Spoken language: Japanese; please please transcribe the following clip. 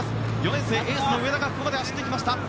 ４年生、エースの上田がここまで走ってきました。